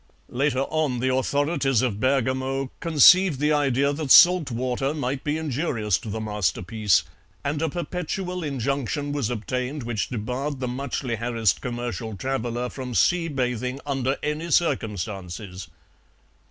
Later on the authorities of Bergamo conceived the idea that salt water might be injurious to the masterpiece, and a perpetual injunction was obtained which debarred the muchly harassed commercial traveller from sea bathing under any circumstances.